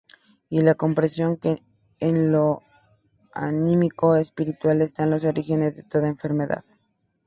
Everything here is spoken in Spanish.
Y la comprensión que en lo anímico-espiritual están los orígenes de toda enfermedad.